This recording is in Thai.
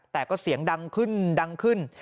แต่ก็เสียงดังขึ้นดังขึ้น